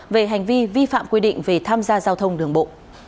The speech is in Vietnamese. về hành vi vi phạm quy định về tham gia giao thông đường bộ